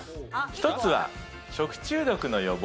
ひとつは食中毒の予防。